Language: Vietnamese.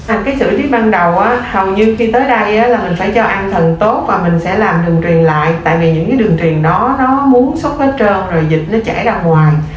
ở cái xử lý ban đầu á hầu như khi tới đây là mình phải cho an thần tốt và mình sẽ làm đường truyền lại tại vì những cái đường truyền đó nó muốn xuất hết trơn rồi dịch nó chảy ra ngoài